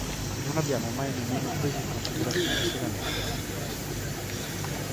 Non abbiamo mai nemmeno preso in considerazione seriamente le riprese.